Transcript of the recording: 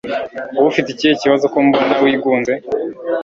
wowe ufite ikihe kibazo ko mbona wigunze